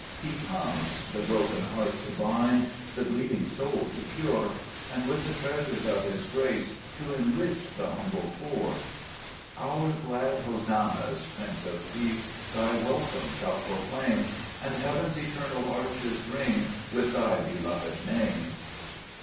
5 He comes, the broken heart to bind, The bleeding soul to cure ; And with the treasures of His grace To enrich the humble poor. 36 Gbe JBcat Cburcb IbBmns. 6 Our glad hosannas, Prince of Peace, Thy welcome shall proclaim ; And heaven's eternal arches ring With Thy beloved Name.